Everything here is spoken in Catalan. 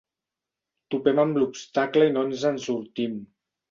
Topem amb l'obstacle i no ens en sortim.